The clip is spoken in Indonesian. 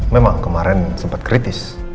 memang kemarin sempat kritis